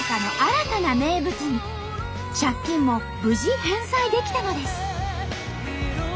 借金も無事返済できたのです。